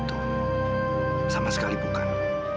itu sama sekali bukan